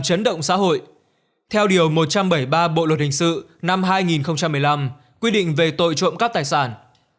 tốt cho xã hội theo điều một trăm bảy mươi ba bộ luật hình sự năm hai nghìn một mươi năm quyết định về tội trộm cắp tài sản